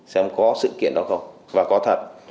xem có sự kiện đó không và có thật